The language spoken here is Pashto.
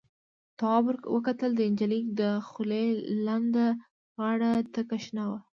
تواب ور وکتل، د نجلۍ دخولې لنده غاړه تکه شنه وه.